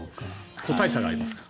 個体差がありますから。